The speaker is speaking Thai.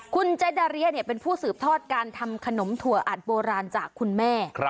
คุณเจดาเรียเป็นผู้สืบทอดการทำขนมถั่วอัดโบราณจากคุณแม่